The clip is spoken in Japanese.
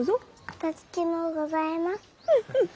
かたじけのうございます。